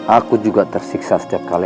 aku juga tersiksa setiap kali